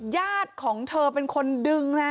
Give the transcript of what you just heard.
ญาติของเธอเป็นคนดึงนะ